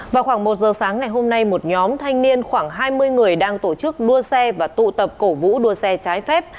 vào khoảng một giờ sáng ngày hôm nay một nhóm thanh niên khoảng hai mươi người đang tổ chức đua xe và tụ tập cổ vũ đua xe trái phép